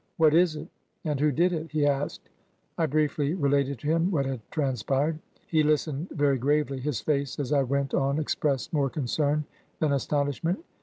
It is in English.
'What is it and who did it?' he asked. ... I briefly related to him what had transpired. ... He listened very gravely ; his face as I went on expressed more concern than astonishment.